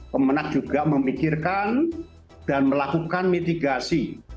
kemenang juga memikirkan dan melakukan mitigasi